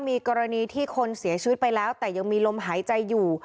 มีกรณีที่คนเสียชีวิตไปแล้วแต่ยังมีลมหายใจอยู่